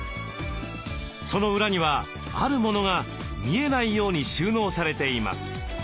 その裏にはあるモノが見えないように収納されています。